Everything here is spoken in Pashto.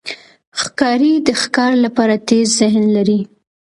ښکاري د ښکار لپاره تېز ذهن لري.